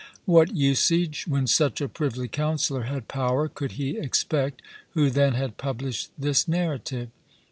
What usage, when such a privy councillor had power, could he expect, who then had published this narrative?